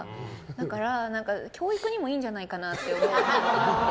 だから、教育にもいいんじゃないかなって思って。